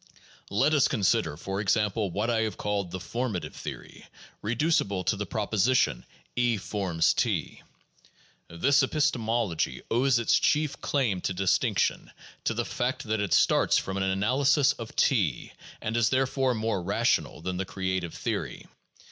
Let us consider, for example, what I have called the '' formative '' theory, reducible to the proposition, E forms T. This epistemology owes its chief claim to distinction to the fact that it starts from an analysis of T, and is therefore more rational than the creative theory.